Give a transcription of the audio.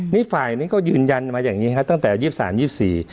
นี่ฝ่ายนี้ก็ยืนยันมาอย่างงี้ครับตั้งแต่ยี่สิบสามยี่สิบสี่